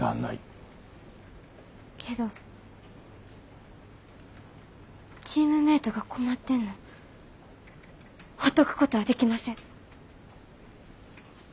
けどチームメイトが困ってんのほっとくことはできません。